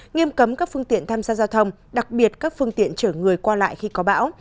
nghiêm cấm các phương tiện tham gia giao thông đặc biệt các phương tiện chở người qua lại khi có bão